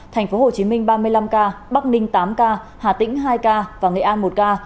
thành phố hồ chí minh ba mươi năm ca bắc ninh tám ca hà tĩnh hai ca và nghệ an một ca